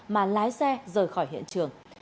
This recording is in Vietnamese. mà lái xe rời khỏi hiện trường